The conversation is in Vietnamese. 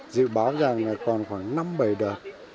dự báo rằng còn khoảng năm bảy đợt